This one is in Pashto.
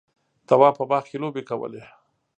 تواب په باغ کې لوبې کولې.